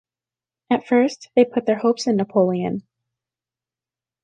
At first, they put their hopes in Napoleon.